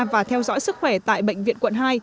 và theo dõi sức khỏe tại bệnh viện quận hai